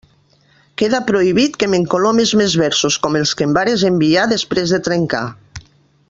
Queda prohibit que m'encolomes més versos com els que em vares enviar després de trencar.